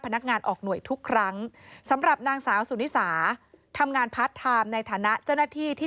พนักงานออกหน่วยทุกครั้งสำหรับนางสาวสุนิสาทำงานพาร์ทไทม์ในฐานะเจ้าหน้าที่ที่